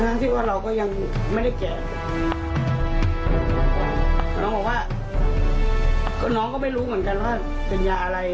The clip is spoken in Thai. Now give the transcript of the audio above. น้องบอกว่าน้องก็ไม่รู้เหมือนกันว่าเป็นยาอะไร